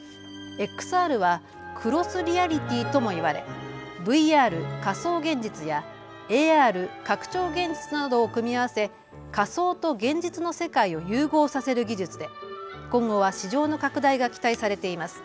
ＸＲはクロスリアリティーとも言われＶＲ・仮想現実やＡＲ・拡張現実などを組み合わせ仮想と現実の世界を融合させる技術で今後は市場の拡大が期待されています。